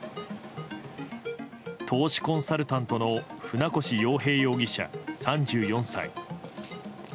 投資コンサルタントの船越洋平容疑者、３４歳。